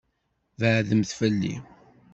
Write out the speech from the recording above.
Beɛɛdemt fell-i!